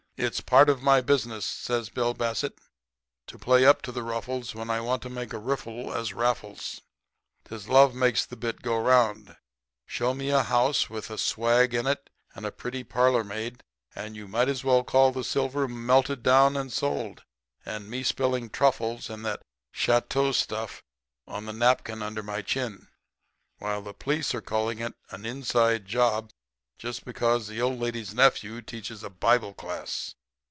"'It's part of my business,' says Bill Bassett, 'to play up to the ruffles when I want to make a riffle as Raffles. 'Tis loves that makes the bit go 'round. Show me a house with a swag in it and a pretty parlor maid, and you might as well call the silver melted down and sold, and me spilling truffles and that Chateau stuff on the napkin under my chin, while the police are calling it an inside job just because the old lady's nephew teaches a Bible class.